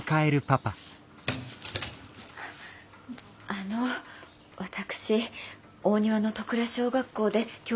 あの私大庭の戸倉小学校で教員をしております